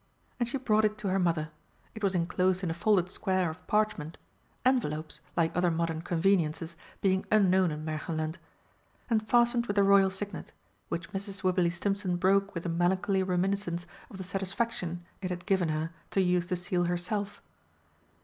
And she brought it to her mother. It was enclosed in a folded square of parchment envelopes, like other modern conveniences, being unknown in Märchenland and fastened with the royal signet, which Mrs. Wibberley Stimpson broke with a melancholy reminiscence of the satisfaction it had given her to use the seal herself.